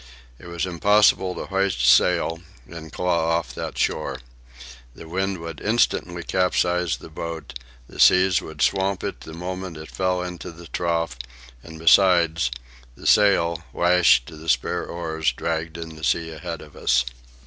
It was impossible to hoist sail and claw off that shore. The wind would instantly capsize the boat; the seas would swamp it the moment it fell into the trough; and, besides, the sail, lashed to the spare oars, dragged in the sea ahead of us.